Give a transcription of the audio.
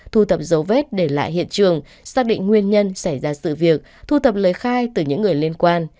thu thập dấu vết để lại hiện trường xác định nguyên nhân xảy ra sự việc thu thập lời khai từ những người liên quan